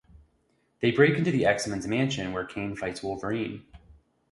They break into the X-Men's mansion where Kaine fights Wolverine.